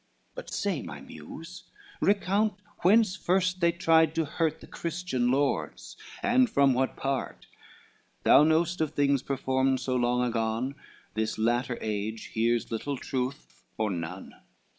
But say, my Muse, recount whence first they tried To hurt the Christian lords, and from what part, Thou knowest of things performed so long agone, This latter age hears little truth or none.